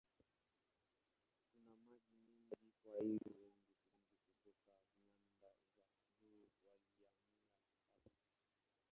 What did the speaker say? Kuna maji mengi kwa hiyo watu wengi kutoka nyanda za juu walihamia hapa.